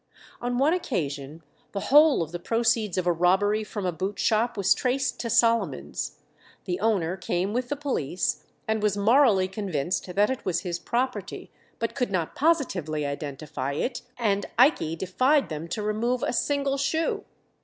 On one occasion the whole of the proceeds of a robbery from a boot shop was traced to Solomons'; the owner came with the police, and was morally convinced that it was his property, but could not positively identify it, and Ikey defied them to remove a single shoe.